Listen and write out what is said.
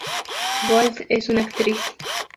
Gold es una actriz.